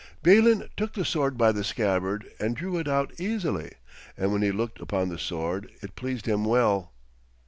Balin took the sword by the scabbard, and drew it out easily, and when he looked upon the sword it pleased him well.